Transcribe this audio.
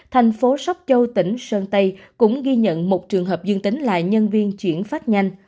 thành phố sóc châu tỉnh sơn tây cũng ghi nhận một trường hợp dương tính là nhân viên chuyển phát nhanh